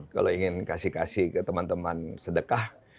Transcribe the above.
kalau ingin kasih kasih ke teman teman sedekah